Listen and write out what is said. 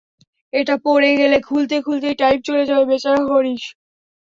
এটা পড়ে গেলে খুলতে খুলতেই টাইম চলে যাবে, বেচারা হরিশ।